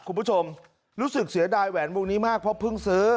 คุณผู้ชมรู้สึกเสียดายแหวนวงนี้มากเพราะเพิ่งซื้อ